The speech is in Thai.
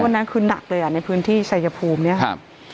วันนั้นคือนักเลยในพื้นที่ชัยภูมินี่ค่ะ